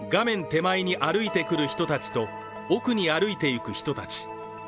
手前に歩いてくる人たちと奥に歩いて行く人たち。